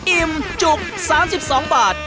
อิ่มจุก๓๒บาท